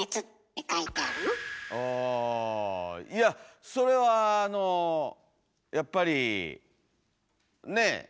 あいやそれはあのやっぱりねえ？